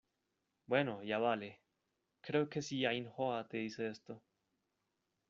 bueno, ya vale. creo que si Ainhoa te dice esto